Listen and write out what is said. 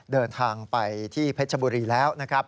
เดินทางไปที่เพชรบุรีแล้วนะครับ